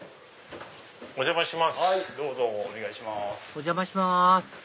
お邪魔します